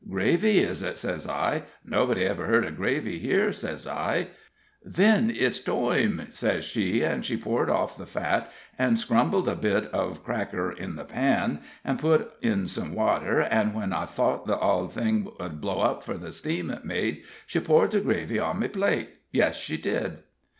'Gravy, is it?' sez I. 'Nobody iver heard of gravy here,' sez I. 'Thin it's toime,' sez she, an' she poured off the fat, an' crumbled a bit of cracker in the pan, an' put in some wather, an' whin I thought the ould thing 'ud blow up for the shteam it made, she poured the gravy on me plate yes, she did."